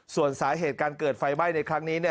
ส่วนสาเหตุการเกิดไฟไหม้ในครั้งนี้